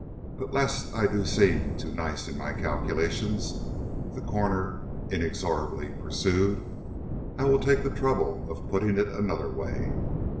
But, lest I do seem too nice in my calculations," the coroner inexorably pursued, "I will take the trouble of putting it another way.